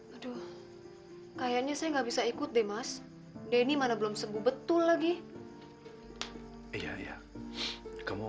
aduh kayaknya saya nggak bisa ikut deh mas denny mana belum sembuh betul lagi kamu